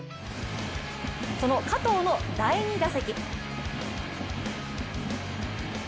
その加藤の第２打席。